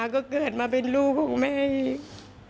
ก็เกิดมาเป็นลูกของแม่อีก